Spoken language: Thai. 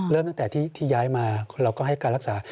เริ่มตั้งแต่ที่ย้ายมาเราก็ให้การรักษา